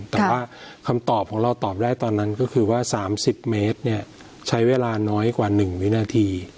แต่ว่าคำตอบของเราตอบได้ตอนนั้นก็คือว่า๓๐เมตรใช้เวลาน้อยกว่า๑วินาที